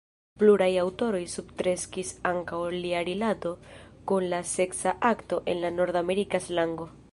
Pluraj aŭtoroj substrekis ankaŭ lia rilato kun la seksa akto en la nordamerika slango.